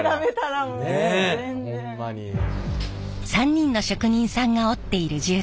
３人の職人さんが織っている絨毯